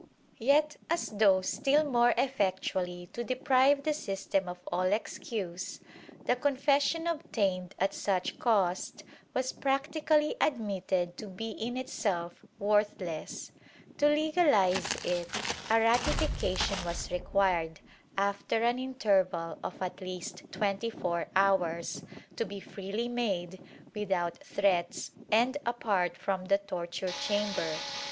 Yet, as though still more effectually to deprive the system of all excuse, the confession obtained at such cost was practically admitted to be in itself worthless. To legalize it, a ratification was required, after an interval of at least twenty four hours, to be freely made, without threats and apart from the torture chamber.